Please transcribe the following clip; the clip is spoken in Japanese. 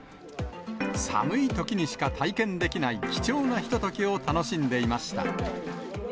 寒いときにしか体験できない貴重なひとときを楽しんでいました。